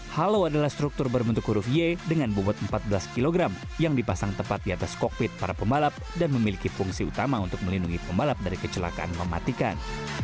halo adalah struktur berbentuk huruf y dengan bobot empat belas kg yang dipasang tepat di atas kokpit para pembalap dan memiliki fungsi utama untuk melindungi pembalap dari kecelakaan mematikan